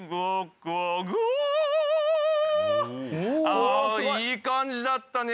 あいい感じだったね。